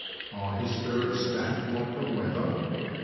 Are his spirits damp like the weather